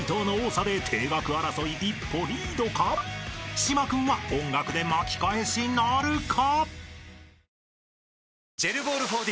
［島君は音楽で巻き返しなるか？］